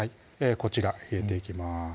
こちら入れていきます